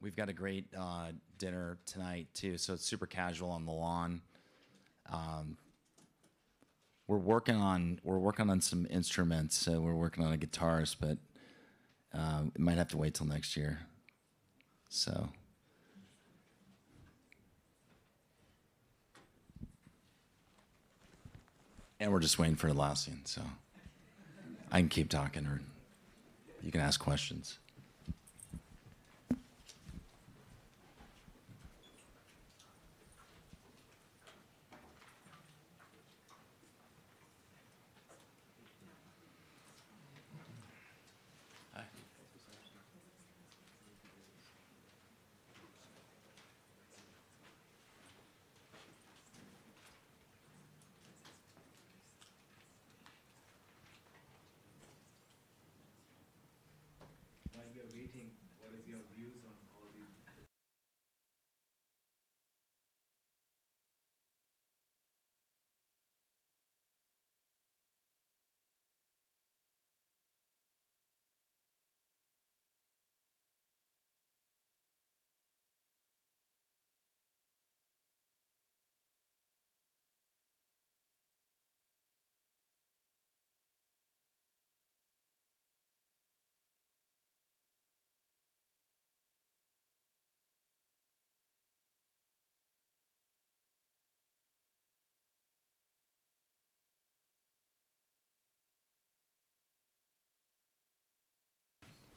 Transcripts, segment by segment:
We've got a great dinner tonight, too. It's super casual on the lawn. We're working on some instruments. We're working on a guitarist, but it might have to wait till next year. We're just waiting for Atlassian, so I can keep talking, or you can ask questions.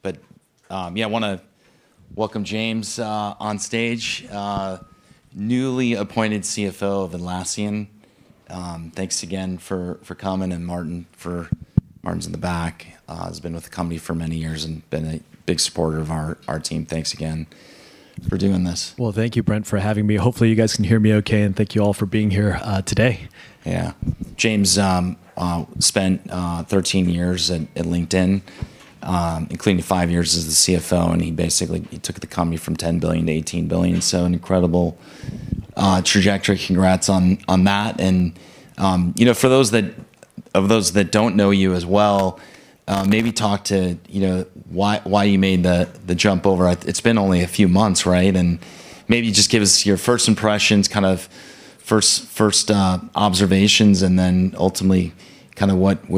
While we are waiting, what is your views on all the- Yeah, I want to welcome James onstage, newly appointed CFO of Atlassian. Thanks again for coming. Martin's in the back. He's been with the company for many years and been a big supporter of our team. Thanks again for doing this. Well, thank you, Brent, for having me. Hopefully, you guys can hear me okay, and thank you all for being here today. Yeah. James spent 13 years at LinkedIn, including five years as the CFO, and he basically took the company from $10 billion-$18 billion. An incredible trajectory. Congrats on that. For those that don't know you as well, maybe talk about why you made the jump over. It's been only a few months, right? Maybe just give us your first impressions, kind of first observations, and then ultimately what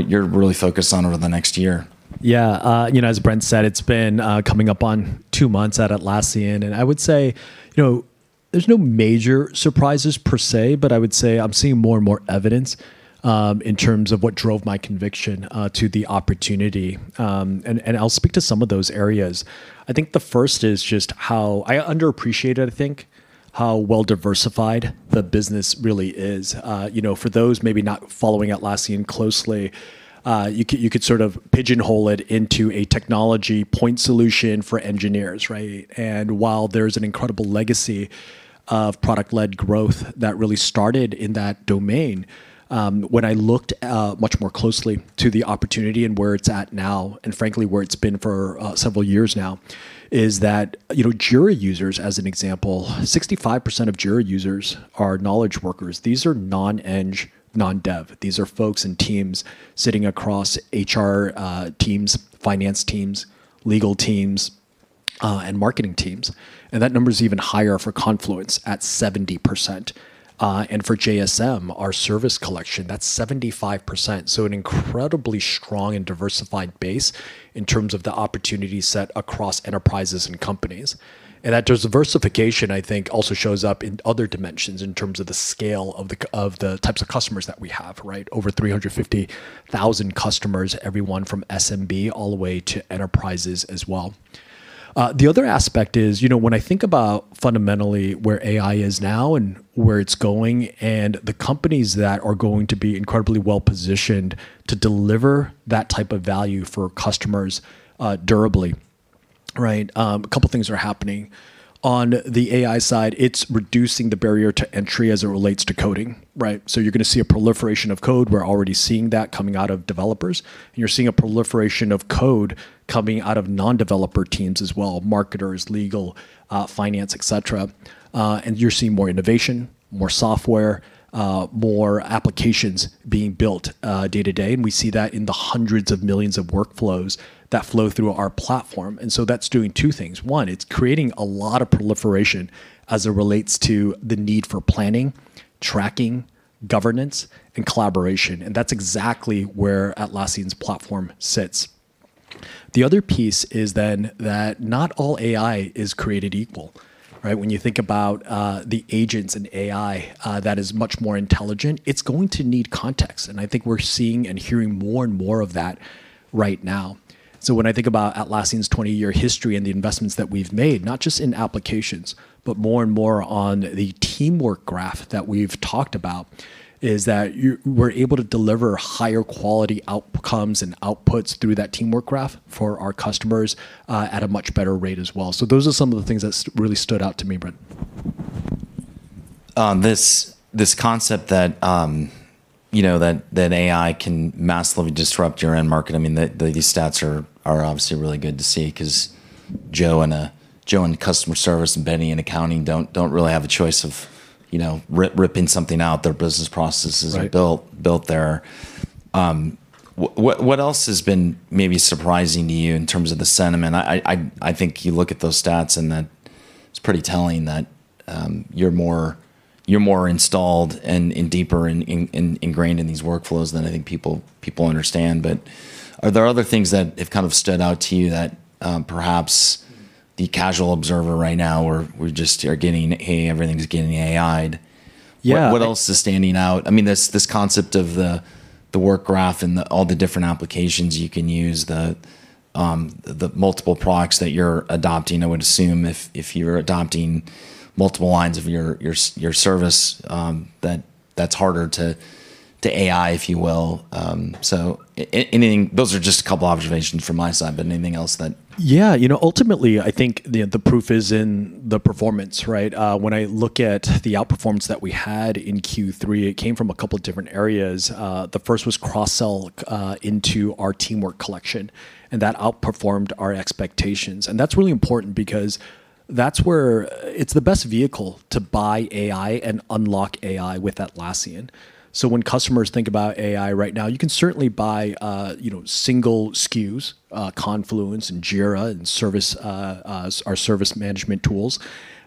you're really focused on over the next year. Yeah. As Brent said, it's been coming up on two months at Atlassian. I would say there's no major surprises per se, but I would say I'm seeing more and more evidence in terms of what drove my conviction to the opportunity. I'll speak to some of those areas. I think the first is just how I underappreciated, I think, how well-diversified the business really is. For those maybe not following Atlassian closely, you could sort of pigeonhole it into a technology point solution for engineers, right? While there's an incredible legacy of product-led growth that really started in that domain, when I looked much more closely to the opportunity and where it's at now, and frankly, where it's been for several years now, is that Jira users, as an example, 65% of Jira users are knowledge workers. These are non-eng, non-dev. These are folks in teams sitting across HR teams, finance teams, legal teams, and marketing teams. That number is even higher for Confluence at 70%. For JSM, our Service Collection, that's 75%. An incredibly strong and diversified base in terms of the opportunity set across enterprises and companies. That diversification, I think, also shows up in other dimensions in terms of the scale of the types of customers that we have, right? Over 350,000 customers, everyone from SMB all the way to enterprises as well. The other aspect is when I think about fundamentally where AI is now and where it's going, and the companies that are going to be incredibly well-positioned to deliver that type of value for customers durably, right? A couple of things are happening. On the AI side, it's reducing the barrier to entry as it relates to coding, right? You're going to see a proliferation of code. We're already seeing that coming out of developers, and you're seeing a proliferation of code coming out of non-developer teams as well, marketers, legal, finance, et cetera. You're seeing more innovation, more software, and more applications being built day to day. We see that in the hundreds of millions of workflows that flow through our platform. That's doing two things. One, it's creating a lot of proliferation as it relates to the need for planning, tracking, governance, and collaboration. That's exactly where Atlassian's platform sits. The other piece is then that not all AI is created equal, right? When you think about the agents in AI that are much more intelligent, they're going to need context. I think we're seeing and hearing more and more of that right now. When I think about Atlassian's 20-year history and the investments that we've made, not just in applications, but more and more on the Teamwork Graph that we've talked about, is that we're able to deliver higher quality outcomes and outputs through that Teamwork Graph for our customers at a much better rate as well. Those are some of the things that really stood out to me, Brent. This concept that AI can massively disrupt your end market—these stats are obviously really good to see because Joe in customer service and Benny in accounting don't really have a choice of, you know, ripping something out. Right are built there. What else has been maybe surprising to you in terms of the sentiment? I think you look at those stats, and that it's pretty telling that you're more installed and deeper ingrained in these workflows than I think people understand. Are there other things that have kind of stood out to you that perhaps the casual observer right now is just getting, Hey, everything's getting AI'd? Yeah. What else is standing out? This concept of the work graph and all the different applications you can use, the multiple products that you're adopting, I would assume if you're adopting multiple lines of your service, that's harder to AI, if you will. Those are just a couple observations from my side. Yeah. Ultimately, I think the proof is in the performance, right? When I look at the outperformance that we had in Q3, it came from a couple different areas. The first was cross-sell into our Teamwork Collection. That outperformed our expectations. That's really important because that's where it's the best vehicle to buy AI and unlock AI with Atlassian. When customers think about AI right now, they can certainly buy single SKUs, Confluence and Jira, and our service management tools.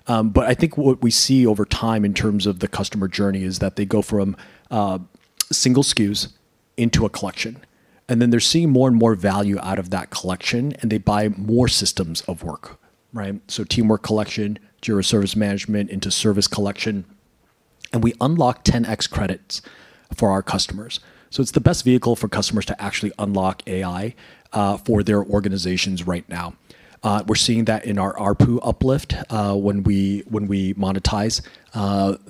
I think what we see over time in terms of the customer journey is that they go from single SKUs into a collection. Then they're seeing more and more value out of that collection. They buy more systems of work, right? Teamwork Collection, Jira Service Management into Service Collection. We unlock 10x credits for our customers. It's the best vehicle for customers to actually unlock AI for their organizations right now. We're seeing that in our ARPU uplift when we monetize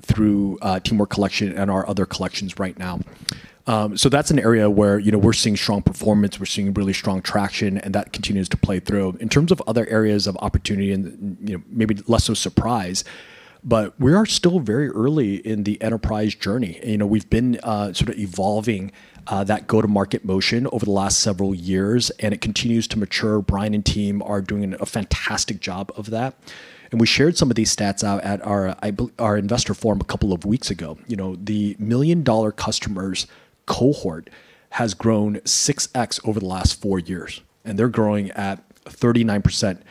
through Teamwork Collection and our other collections right now. That's an area where we're seeing strong performance; we're seeing really strong traction, and that continues to play through. In terms of other areas of opportunity and maybe less so surprise, we are still very early in the enterprise journey. We've been sort of evolving that go-to-market motion over the last several years, and it continues to mature. Brian and team are doing a fantastic job of that. We shared some of these stats out at our investor forum a couple of weeks ago. The million-dollar customers cohort has grown 6x over the last four years. They're growing at 39%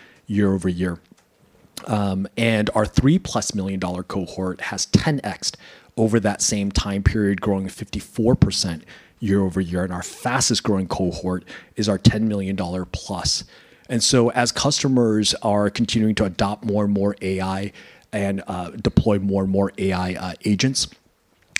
year-over-year. Our $3 million+ cohort has 10x'd over that same time period, growing 54% year-over-year. Our fastest-growing cohort is our $10 million+. As customers are continuing to adopt more and more AI and deploy more and more AI agents,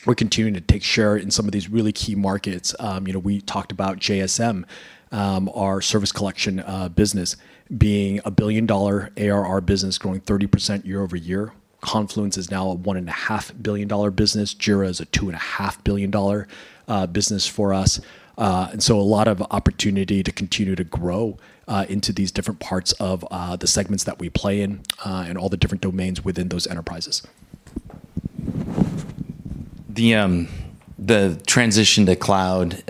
we're continuing to take share in some of these really key markets. We talked about JSM, our Service Collection business being a $1 billion ARR business growing 30% year-over-year. Confluence is now a $1.5 billion business. Jira is a $2.5 billion business for us. A lot of opportunity to continue to grow into these different parts of the segments that we play in and all the different domains within those enterprises. The transition to the cloud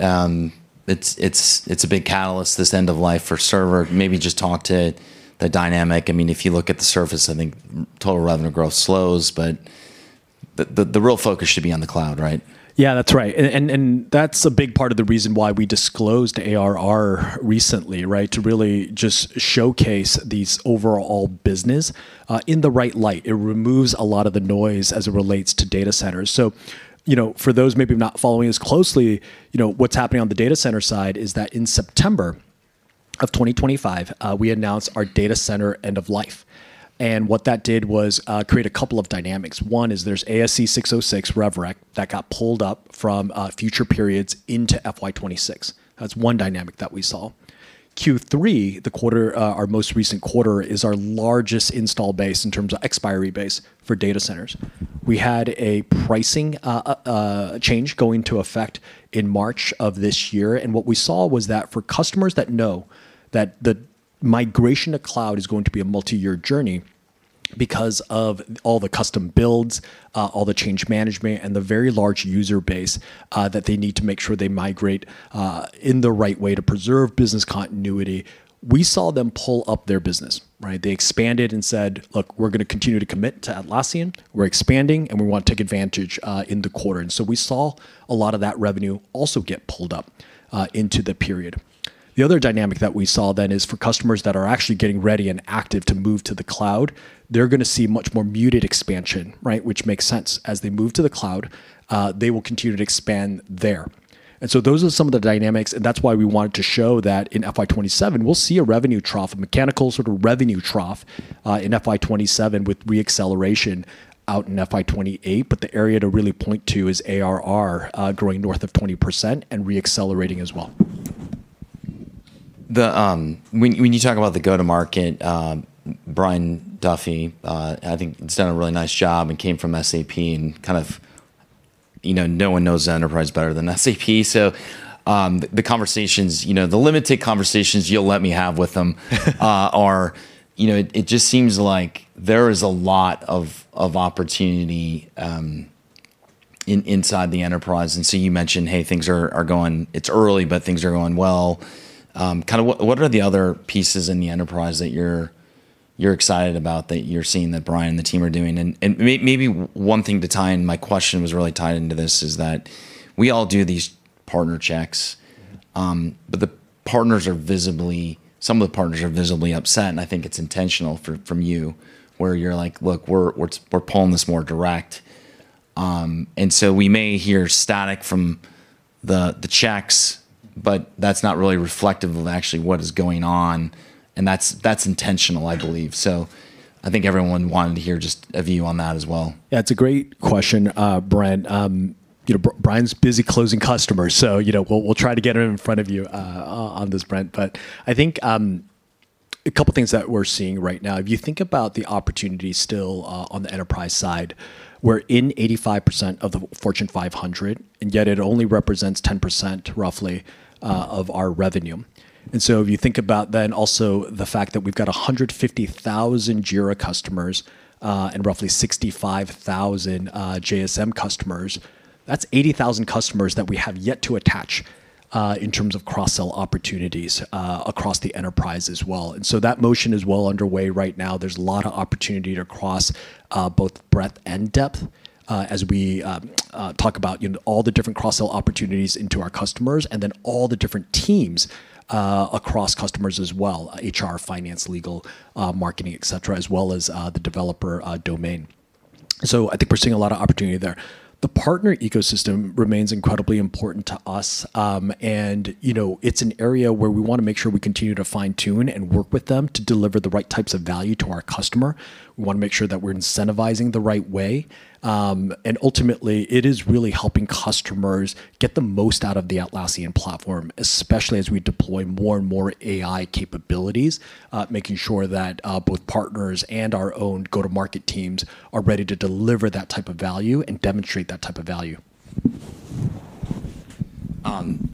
is a big catalyst; it's the end of life for the server. Maybe just talk to the dynamic. If you look at the surface, I think total revenue growth slows; the real focus should be on the cloud, right? That's a big part of the reason why we disclosed ARR recently. To really just showcase this overall business in the right light. It removes a lot of the noise as it relates to Data Center. For those maybe not following as closely, what's happening on the data center side is that in September of 2025, we announced our data center end of life. What that did was create a couple of dynamics. One is there's ASC 606 rev rec that got pulled up from future periods into FY 2026. That's one dynamic that we saw. Q3, our most recent quarter, is our largest install base in terms of expiry base for Data Center. We had a pricing change going into effect in March of this year. What we saw was that for customers that know that the migration to cloud is going to be a multi-year journey because of all the custom builds, all the change management, and the very large user base that they need to make sure they migrate in the right way to preserve business continuity. We saw them pull up their business, right? They expanded and said, Look, we're going to continue to commit to Atlassian. We're expanding, and we want to take advantage in the quarter. So we saw a lot of that revenue also get pulled up into the period. The other dynamic that we saw then is for customers that are actually getting ready and active to move to the cloud; they're going to see much more muted expansion, right, which makes sense. As they move to the cloud, they will continue to expand there. Those are some of the dynamics, and that's why we wanted to show that in FY 2027. We'll see a revenue trough, a mechanical sort of revenue trough, in FY 2027 with re-acceleration out in FY 2028. The area to really point to is ARR growing north of 20% and re-accelerating as well. When you talk about the go-to-market, Brian Duffy, I think, has done a really nice job and came from SAP, and kind of no one knows enterprise better than SAP. The limited conversations you'll let me have with him just seem like there is a lot of opportunity inside the enterprise. You mentioned, hey, it's early, but things are going well. What are the other pieces in the enterprise that you're excited about, that you're seeing that Brian and the team are doing? Maybe one thing to tie in, my question was really tied into this, is that we all do these partner checks. Some of the partners are visibly upset, and I think it's intentional from you, where you're like, Look, we're pulling this more direct. We may hear static from the checks, but that's not really reflective of actually what is going on, and that's intentional, I believe. I think everyone wanted to hear just a view on that as well. Yeah. It's a great question, Brent. Brian's busy closing customers, so we'll try to get him in front of you on this, Brent. I think a couple of things that we're seeing right now. If you think about the opportunity still on the enterprise side, we're in 85% of the Fortune 500, and yet it only represents 10%, roughly, of our revenue. If you think about it, then also the fact that we've got 150,000 Jira customers and roughly 65,000 JSM customers. That's 80,000 customers that we have yet to attach in terms of cross-sell opportunities across the enterprise as well. That motion is well underway right now. There's a lot of opportunity to cross both breadth and depth as we talk about all the different cross-sell opportunities into our customers and then all the different teams across customers as well, HR, finance, legal, marketing, et cetera, as well as the developer domain. I think we're seeing a lot of opportunity there. The partner ecosystem remains incredibly important to us. It's an area where we want to make sure we continue to fine-tune and work with them to deliver the right types of value to our customer. We want to make sure that we're incentivizing the right way. Ultimately, it is really helping customers get the most out of the Atlassian platform, especially as we deploy more and more AI capabilities, making sure that both partners and our own go-to-market teams are ready to deliver that type of value and demonstrate that type of value. From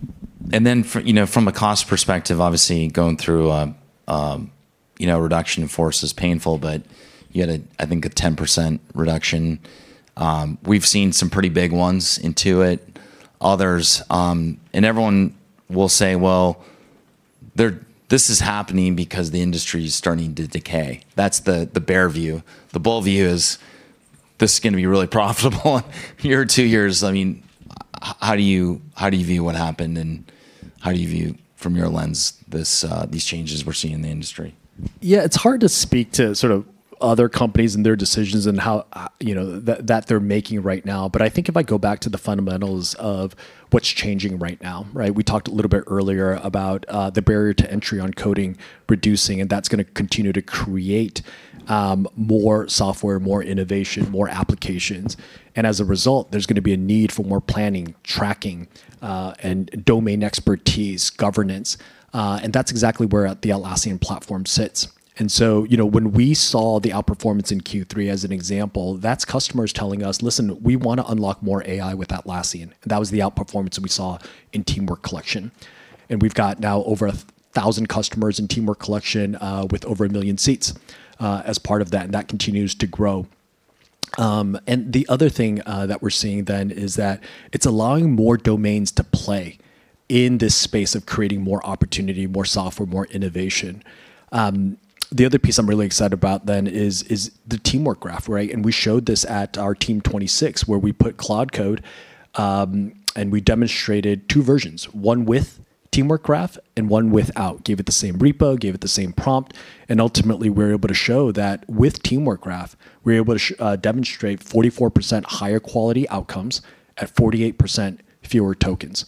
a cost perspective, obviously going through a reduction in force is painful, but you had, I think, a 10% reduction. We've seen some pretty big ones, Intuit and others. Everyone will say, Well, this is happening because the industry's starting to decay. That's the bear view. The bull view is this is going to be really profitable in a year or two years. How do you view what happened, and how do you view, from your lens, these changes we're seeing in the industry? Yeah. It's hard to speak to other companies and their decisions that they're making right now. I think if I go back to the fundamentals of what's changing right now, right? We talked a little bit earlier about the barrier to entry for coding reducing, and that's going to continue to create more software, more innovation, and more applications. As a result, there's going to be a need for more planning, tracking, domain expertise, and governance. That's exactly where the Atlassian platform sits. So, when we saw the outperformance in Q3 as an example, that's customers telling us, Listen, we want to unlock more AI with Atlassian. That was the outperformance that we saw in Teamwork Collection. We've got now over 1,000 customers in Teamwork Collection with over 1 million seats as part of that, and that continues to grow. The other thing that we're seeing is that it's allowing more domains to play in this space of creating more opportunity, more software, and more innovation. The other piece I'm really excited about is the Teamwork Graph, right? We showed this at our Team '26, where we put Claude Code, and we demonstrated two versions, one with Teamwork Graph and one without. Gave it the same repo, gave it the same prompt, and ultimately, we were able to show that with Teamwork Graph, we were able to demonstrate 44% higher quality outcomes at 48% fewer tokens.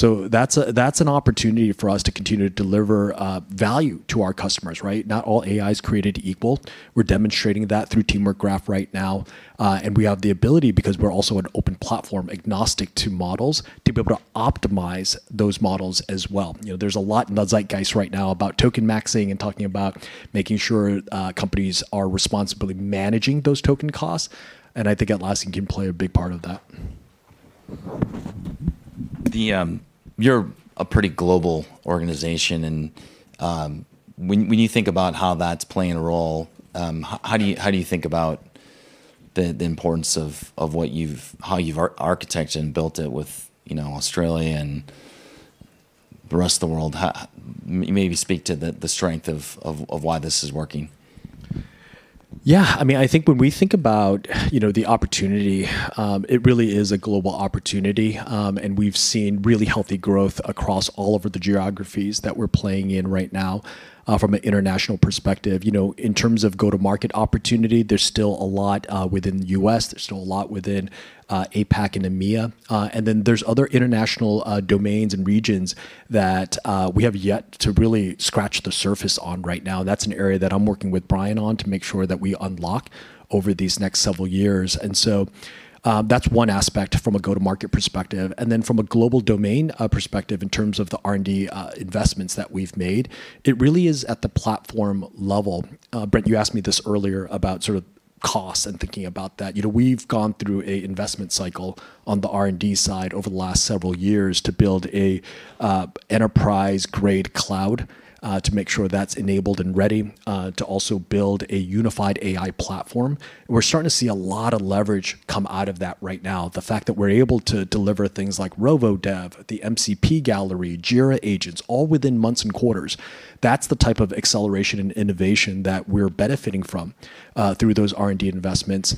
That's an opportunity for us to continue to deliver value to our customers, right? Not all AI is created equal. We're demonstrating that through Teamwork Graph right now. We have the ability, because we're also an open platform, agnostic to models, to be able to optimize those models as well. There's a lot in the zeitgeist right now about token maxing and talking about making sure companies are responsibly managing those token costs, and I think Atlassian can play a big part of that. You're a pretty global organization, and when you think about how that's playing a role, how do you think about the importance of how you've architected and built it with Australia and the rest of the world? Maybe speak to the strength of why this is working. Yeah. I think when we think about the opportunity, it really is a global opportunity, and we've seen really healthy growth across all of the geographies that we're playing in right now from an international perspective. In terms of go-to-market opportunity, there's still a lot within the U.S., there's still a lot within APAC and EMEA. Then there are other international domains and regions that we have yet to really scratch the surface on right now. That's an area that I'm working with Brian on to make sure that we unlock over these next several years. That's one aspect from a go-to-market perspective. Then from a global domain perspective, in terms of the R&D investments that we've made, it really is at the platform level. Brent, you asked me this earlier about sort of costs and thinking about that. We've gone through an investment cycle on the R&D side over the last several years to build an enterprise-grade cloud to make sure that's enabled and ready to also build a unified AI platform. We're starting to see a lot of leverage come out of that right now. The fact that we're able to deliver things like Rovo Dev, the MCP Gallery, and Jira Agents all within months and quarters—that's the type of acceleration and innovation that we're benefiting from through those R&D investments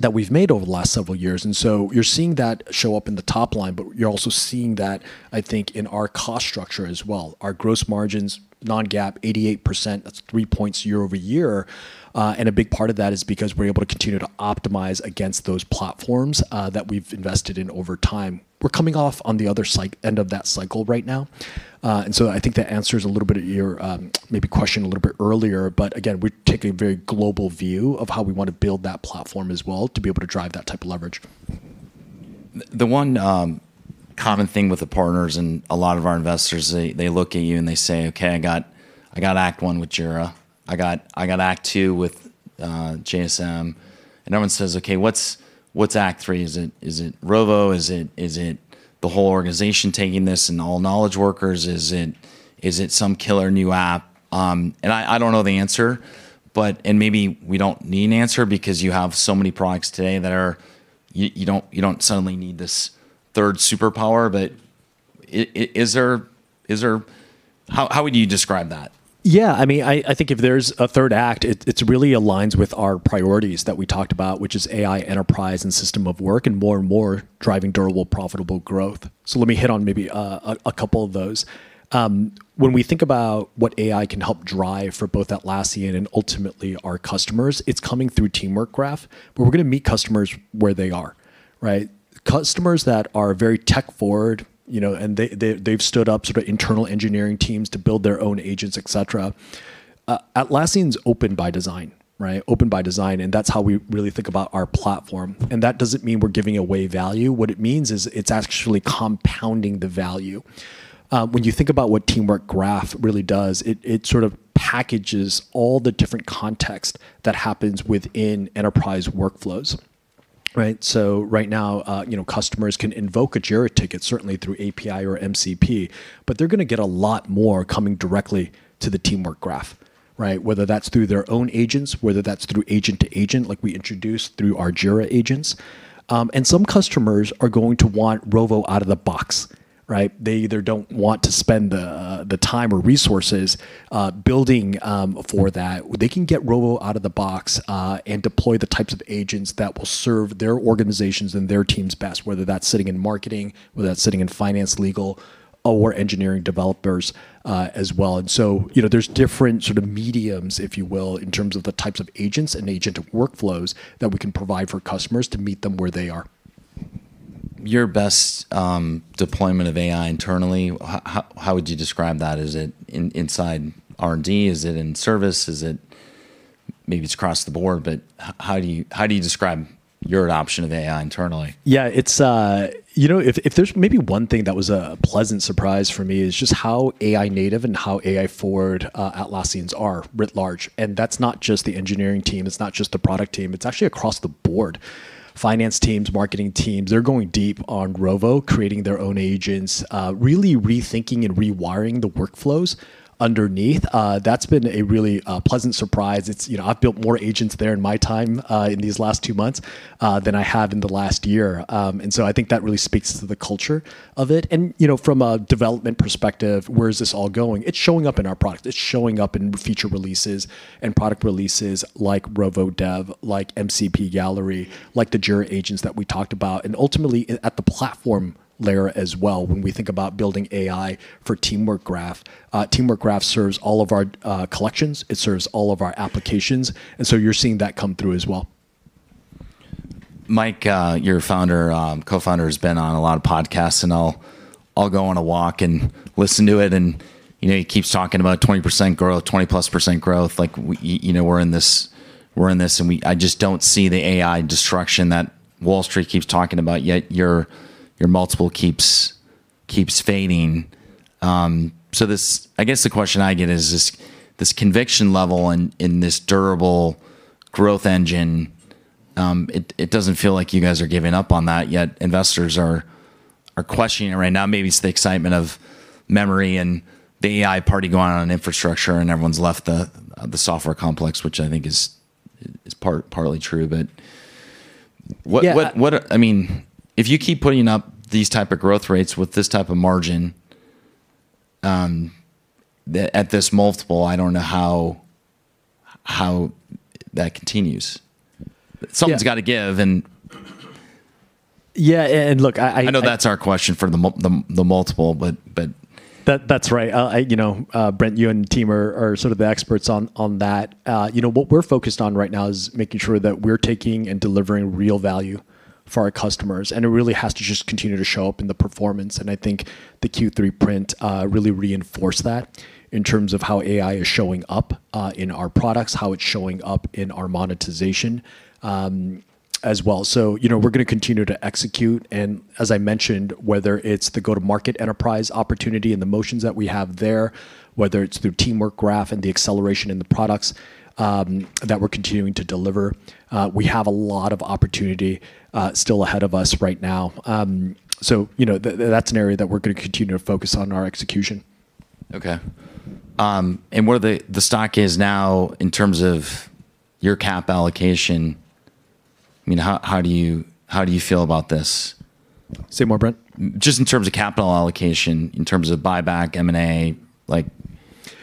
that we've made over the last several years. You're seeing that show up in the top line, but you're also seeing that, I think, in our cost structure as well. Our gross margins, non-GAAP, are 88%, which is three points year-over-year. A big part of that is because we're able to continue to optimize against those platforms that we've invested in over time. We're coming off on the other end of that cycle right now. I think that answers a little bit of your question a little bit earlier, but again, we're taking a very global view of how we want to build that platform as well to be able to drive that type of leverage. The one common thing with the partners and a lot of our investors is they look at you and they say, Okay, I got act one with Jira. I got act two with JSM. Everyone says, Okay, what's act three? Is it Rovo? Is it the whole organization taking this and the whole knowledge workers? Is it some killer new app? I don't know the answer, and maybe we don't need an answer because you have so many products today that you don't suddenly need this third superpower, but how would you describe that? Yeah. I think if there's a third act, it really aligns with our priorities that we talked about, which are AI enterprise and system of work, and more and more driving durable, profitable growth. Let me hit on maybe a couple of those. When we think about what AI can help drive for both Atlassian and ultimately our customers, it's coming through Teamwork Graph, but we're going to meet customers where they are. Right? Customers that are very tech forward, and they've stood up internal engineering teams to build their own agents, et cetera. Atlassian is open by design. Right? Open by design, and that's how we really think about our platform. That doesn't mean we're giving away value. What it means is it's actually compounding the value. When you think about what Teamwork Graph really does, it sort of packages all the different context that happens within enterprise workflows. Right? Right now, customers can invoke a Jira ticket, certainly through API or MCP, but they're going to get a lot more coming directly to the Teamwork Graph, right? Whether that's through their own agents or through agent to agent, like we introduced through our Jira agents. Some customers are going to want Rovo out of the box. Right? They either don't want to spend the time or resources building for that. They can get Rovo out of the box and deploy the types of agents that will serve their organizations and their teams best, whether that's sitting in marketing, finance, legal, or engineering developers as well. There are different sorts of mediums, if you will, in terms of the types of agents and agent workflows that we can provide for customers to meet them where they are. Your best deployment of AI internally, how would you describe that? Is it inside R&D? Is it in service? Maybe it's across the board, but how do you describe your adoption of AI internally? Yeah. If there's maybe one thing that was a pleasant surprise for me, it's just how AI native and how AI forward Atlassians are writ large. That's not just the engineering team, it's not just the product team, it's actually across the board. Finance teams and marketing teams are going deep on Rovo, creating their own agents, and really rethinking and rewiring the workflows underneath. That's been a really pleasant surprise. I've built more agents there in my time in these last two months than I have in the last year. I think that really speaks to the culture of it. From a development perspective, where is this all going? It's showing up in our product. It's showing up in future releases and product releases like Rovo Dev, like MCP Gallery, like the Jira agents that we talked about. Ultimately at the platform layer as well, when we think about building AI for Teamwork Graph. Teamwork Graph serves all of our collections; it serves all of our applications, and so you're seeing that come through as well. Mike, your co-founder, has been on a lot of podcasts. I'll go on a walk and listen to it. He keeps talking about 20% growth, 20+% growth. We're in this; I just don't see the AI destruction that Wall Street keeps talking about, yet your multiple keeps fading. I guess the question I get is this conviction level and this durable growth engine, it doesn't feel like you guys are giving up on that, yet investors are questioning it right now. Maybe it's the excitement of memory and the AI party going on in infrastructure, everyone's left the software complex, which I think is partly true. Yeah If you keep putting up these types of growth rates with this type of margin at this multiple, I don't know how that continues. Something's got to give. Yeah, look, I know that's our question for the multiple. That's right. Brent, you and the team are sort of the experts on that. What we're focused on right now is making sure that we're taking and delivering real value for our customers, and it really has to just continue to show up in the performance. I think the Q3 print really reinforced that in terms of how AI is showing up in our products, how it's showing up in our monetization as well. We're going to continue to execute, and, as I mentioned, whether it's the go-to-market enterprise opportunity and the motions that we have there or whether it's through Teamwork Graph and the acceleration in the products that we're continuing to deliver, we have a lot of opportunity still ahead of us right now. That's an area that we're going to continue to focus on in our execution. Okay. Where the stock is now in terms of your cap allocation, how do you feel about this? Say more, Brent? Just in terms of capital allocation, in terms of buyback, M&A.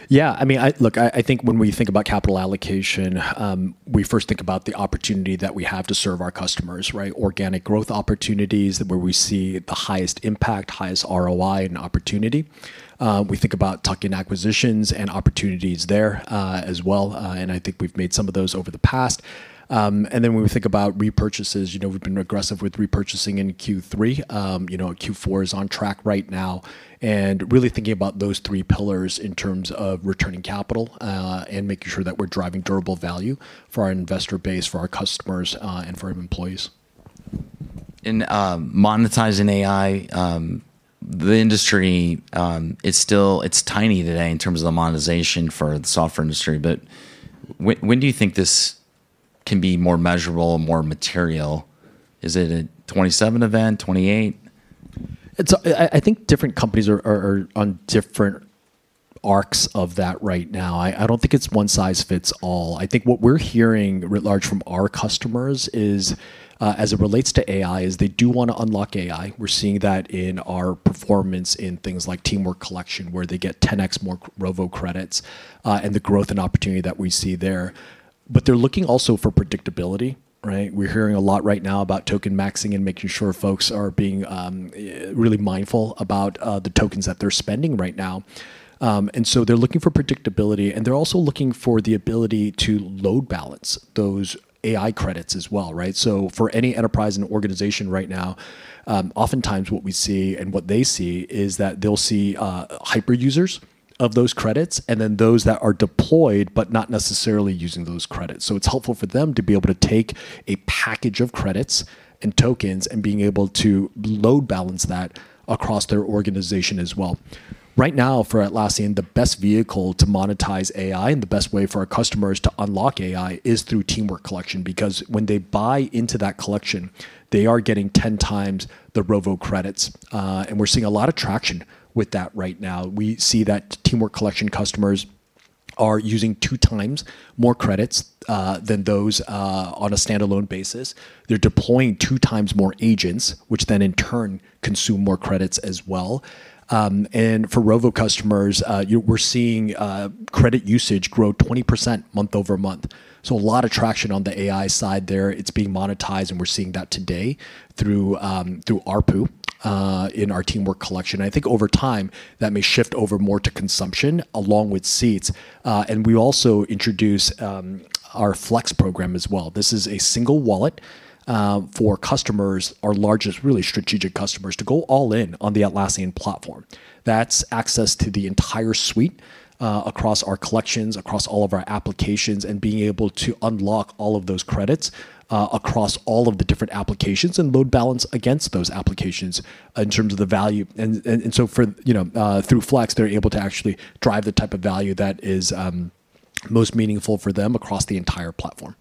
Yeah. Look, I think when we think about capital allocation, we first think about the opportunity that we have to serve our customers, right? Organic growth opportunities where we see the highest impact, highest ROI, and opportunity. We think about tuck-in acquisitions and opportunities there, as well, and I think we've made some of those over the past. When we think about repurchases, we've been aggressive with repurchasing in Q3. Q4 is on track right now, and really thinking about those three pillars in terms of returning capital, and making sure that we're driving durable value for our investor base, for our customers, and for our employees. In monetizing AI, the industry is tiny today in terms of the monetization for the software industry, but when do you think this can be more measurable and more material? Is it a 2027 event, 2028? I think different companies are on different arcs of that right now. I don't think it's one size fits all. I think what we're hearing writ large from our customers is, as it relates to AI, they do want to unlock AI. We're seeing that in our performance in things like Teamwork Collection, where they get 10x more Rovo credits, and the growth and opportunity that we see there. They're looking also for predictability, right? We're hearing a lot right now about token maxing and making sure folks are being really mindful about the tokens that they're spending right now. They're looking for predictability, and they're also looking for the ability to load balance those AI credits as well, right? For any enterprise and organization right now, oftentimes what we see and what they see is that they'll see hyper users of those credits and then those that are deployed but not necessarily using those credits. It's helpful for them to be able to take a package of credits and tokens and to be able to load balance that across their organization as well. Right now for Atlassian, the best vehicle to monetize AI and the best way for our customers to unlock AI is through Teamwork Collection, because when they buy into that collection, they are getting 10x the Rovo credits. We're seeing a lot of traction with that right now. We see that Teamwork Collection customers are using two times more credits than those on a standalone basis. They're deploying two times more agents, which then in turn consume more credits as well. For Rovo customers, we're seeing credit usage grow 20% month-over-month. A lot of traction on the AI side there. It's being monetized, and we're seeing that today through ARPU in our Teamwork Collection. I think over time, that may shift over more to consumption along with seats. We also introduce our Flex program as well. This is a single wallet for customers, our largest, really strategic customers, to go all in on the Atlassian platform. That's access to the entire suite, across our collections, across all of our applications, and being able to unlock all of those credits across all of the different applications and load balance against those applications in terms of the value. Through Flex, they're able to actually drive the type of value that is most meaningful for them across the entire platform.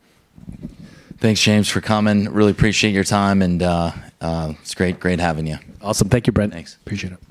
Thanks, James, for coming. Really appreciate your time, and it's great having you. Awesome. Thank you, Brent. Thanks. Appreciate it.